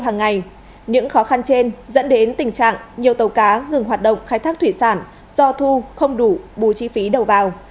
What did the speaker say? hàng ngày những khó khăn trên dẫn đến tình trạng nhiều tàu cá ngừng hoạt động khai thác thủy sản do thu không đủ bù chi phí đầu vào